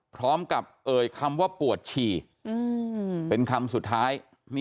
พร้อมกับเอ่ยคำว่าปวดฉี่เป็นคำสุดท้าย